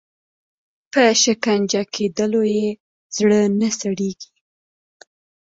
په شکنجه کېدلو یې زړه نه سړیږي.